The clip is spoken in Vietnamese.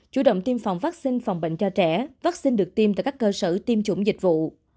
chủ động tiêm phòng vaccine phòng bệnh cho trẻ vaccine được tiêm tại các cơ sở tiêm chủng dịch vụ